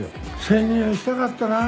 潜入したかったなあ。